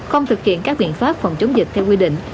không thực hiện các biện pháp phòng chống dịch theo quy định